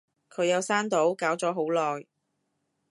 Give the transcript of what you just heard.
佢有刪到，搞咗好耐